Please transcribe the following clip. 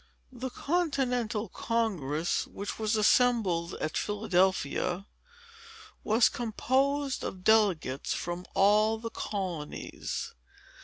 The continental Congress, which was assembled at Philadelphia, was composed of delegates from all the colonies.